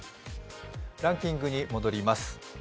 ランキングに戻ります。